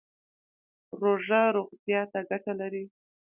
روژه روغتیا ته ګټه لري